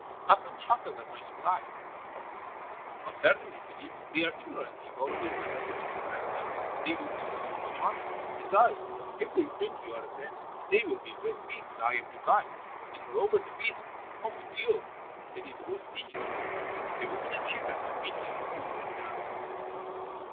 Athman chuckled at my surprise. "But certainly, Sidi, they are ignorant people; it is necessary to impress them. They will do you much honor. Besides, if they think you are a prince, they will be very pleased that I am your guide. And, moreover, the feast — Oh, mon Dieu! that is worth seeing. The women and children are making cous cous now.